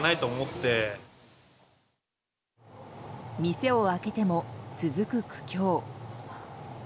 店を開けても、続く苦境。